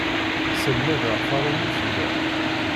Sselmadeɣ taṛumit da.